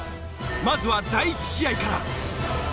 まずは第１試合から！